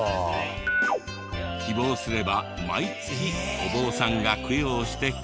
希望すれば毎月お坊さんが供養してくれる。